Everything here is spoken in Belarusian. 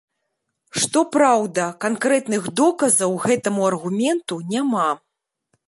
Што праўда, канкрэтных доказаў гэтаму аргументу няма.